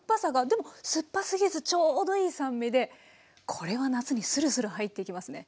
でも酸っぱすぎずちょうどいい酸味でこれは夏にスルスル入っていきますね。